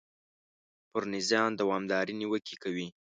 پر نظام دوامدارې نیوکې کوي.